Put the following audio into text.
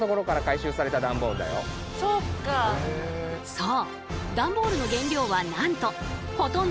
そう！